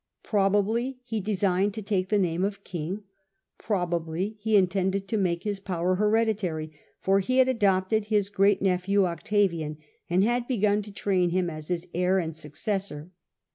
Probably he designed to take the name of king : probably he intended to make his power hereditary, for he had adopted his great nephew Octavian, and had begun to train him as his heir and successor.